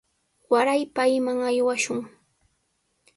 Waray payman aywashun.